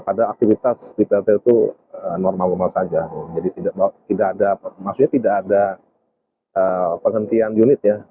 pada aktivitas di pltu normal normal saja jadi tidak ada penghentian unit